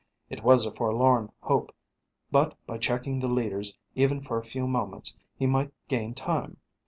It was a forlorn hope, but by checking the leaders even for a few moments he might gain time.